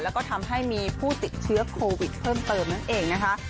แล้วก็ทำให้มีผู้ติดเชื้อโควิดเพิ่มเติมนั่นเองนะคะ